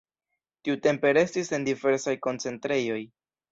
Tiutempe restis en diversaj koncentrejoj.